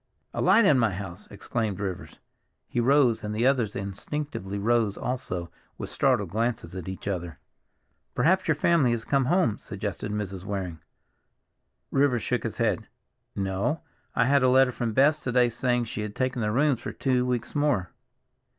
"A light in my house!" exclaimed Rivers. He rose, and the others instinctively rose also, with startled glances at each other. "Perhaps your family has come home," suggested Mrs. Waring. Rivers shook his head. "No, I had a letter from Bess to day saying she had taken the rooms for two weeks more.